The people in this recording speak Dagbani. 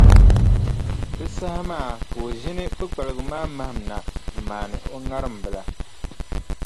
Di saha maa ka o ʒini kpukpaliga maa mahim na m-maani o ŋariŋ bila.